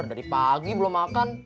dari pagi belum makan